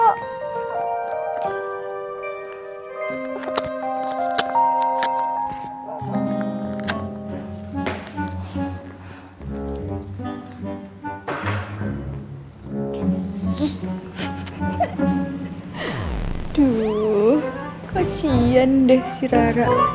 aduh kasihan deh si rara